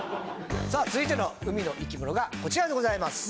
続いての海の生き物がこちらでございます。